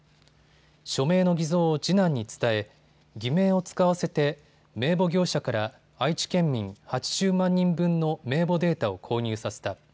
署名の偽造を次男に伝え偽名を使わせて名簿業者から愛知県民８０万人分の名簿データを購入させた。